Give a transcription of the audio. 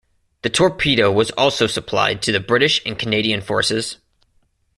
The torpedo was also supplied to the British and Canadian forces.